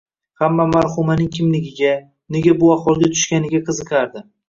Hamma marhumaning kimligiga, nega bu ahvolga tushganiga qiziqardi